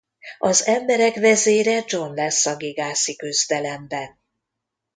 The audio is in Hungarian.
Az emberek vezére John lesz a gigászi küzdelemben.